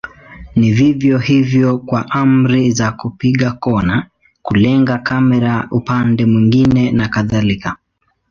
Ni vivyo hivyo kwa amri za kupiga kona, kulenga kamera upande mwingine na kadhalika.